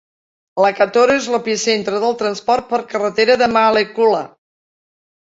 Lakatoro és l'epicentre del transport per carretera de Malekula.